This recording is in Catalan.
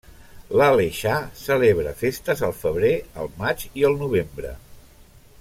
L'Aleixar celebra festes el febrer, el maig i el novembre.